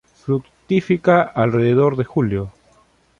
Fructifica alrededor de julio.